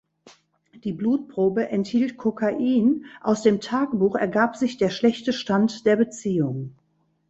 Die Blutprobe enthielt Kokain, aus dem Tagebuch ergab sich der schlechte Stand der Beziehung.